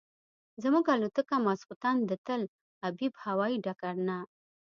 زموږ الوتکه ماسخوتن د تل ابیب هوایي ډګر نه.